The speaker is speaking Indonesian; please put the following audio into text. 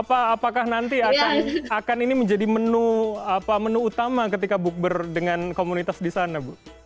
apakah nanti akan ini menjadi menu utama ketika bukber dengan komunitas di sana